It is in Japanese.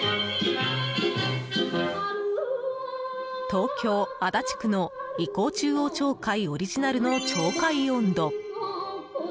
東京・足立区の伊興中央町会オリジナルの町会音頭。